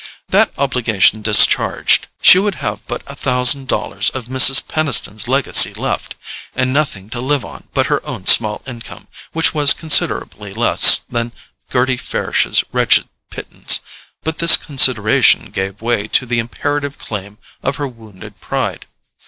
That obligation discharged, she would have but a thousand dollars of Mrs. Peniston's legacy left, and nothing to live on but her own small income, which was considerably less than Gerty Farish's wretched pittance; but this consideration gave way to the imperative claim of her wounded pride.